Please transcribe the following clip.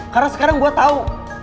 karena sekarang gue tahu